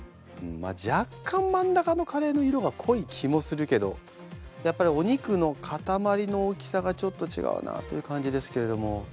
若干真ん中のカレーの色が濃い気もするけどやっぱりお肉の塊の大きさがちょっと違うなという感じですけれども。